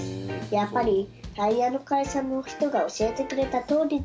やっぱりタイヤの会社の人が教えてくれたとおりでした。